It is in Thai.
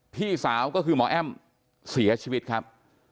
พี่สาวก็คือหมอแอ้มเสียชีวิตครับ